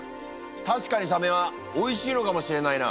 確かにサメはおいしいのかもしれないな。